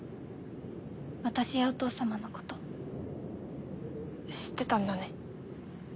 私やお父様のこと知ってたんだね。